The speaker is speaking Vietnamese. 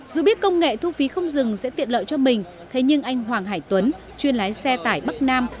dù biết công nghệ thu phí không dừng sẽ tiện lợi cho mình thế nhưng anh hoàng hải tuấn chuyên lái xe tải bắc nam